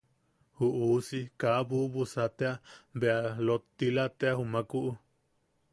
Ju uusi kaa bubusa tea, bea lottila tea jumakuʼu.